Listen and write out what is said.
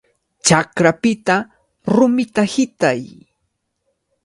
¡Chakrapita rumita hitay!